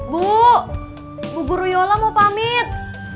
bu bu guruyola mau pamit